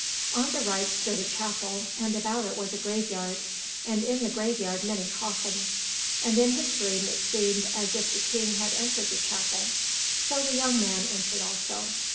On the right stood a chapel, and about it was a graveyard, and in the graveyard many coffins, and in his dream it seemed as if the King had entered the chapel, so the young man entered also.